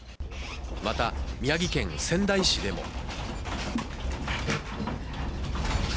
また宮城県仙台市でも。